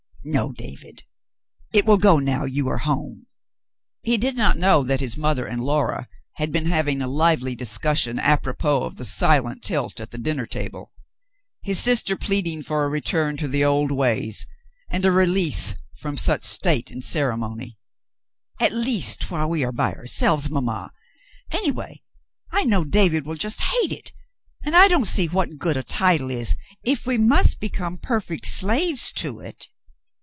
"No, David. It will go now you are at home." He did not know that his mother and Laura had been having a liveh^ discussion apropos of the silent tilt at the dinner table, his sister pleading for a return to the old ways, and a release from such state and ceremony. "At least while we are by ourselves, mamma. Anyway, I know David will just hate it, and I don't see what good a title is if we must become perfect slaves to it."